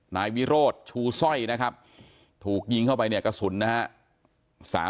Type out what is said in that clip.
นายวิโรธชูสร้อยนะครับถูกยิงเข้าไปเนี่ยกระสุนนะฮะ